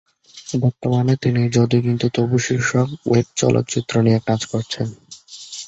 বর্তমানে তিনি "যদি কিন্তু তবু" শীর্ষক ওয়েব চলচ্চিত্র নিয়ে কাজ করছেন।